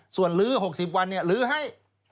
ส่วนลื้อ๖๐วันลื้อให้